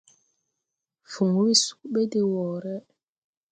Fuŋ we sug ɓɛ de wɔɔre.